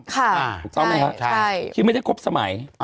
คือไม่ได้ครบสมัย